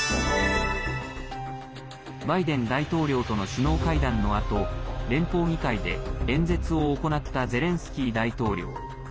バイデン大統領との首脳会談のあと連邦議会で演説を行ったゼレンスキー大統領。